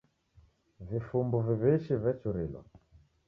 Vifumbu viw'ishi vechurilwa.